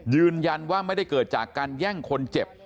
ยืนยันว่าไม่ได้เกิดจากการแย่งคนเจ็บ